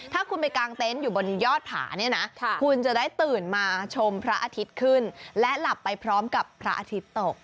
ถ้าคุณไปกางเต็นต์อยู่บนยอดผาเนี่ยนะคุณจะได้ตื่นมาชมพระอาทิตย์ขึ้นและหลับไปพร้อมกับพระอาทิตย์ตก